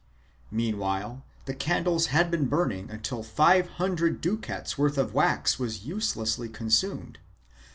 Meanwhile the candles had been burning until five hundred ducats' worth of wax was uselessly consumed.